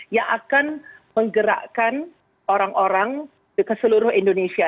yang akan menggerakkan orang orang ke seluruh indonesia